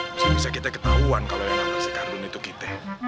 mesti bisa kita ketahuan kalau yang nangka si cardun itu kita